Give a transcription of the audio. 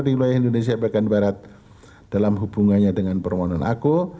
di wilayah indonesia bagian barat dalam hubungannya dengan permohonan aku